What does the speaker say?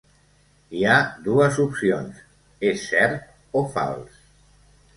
Hi ha dues opcions: és cert o fals.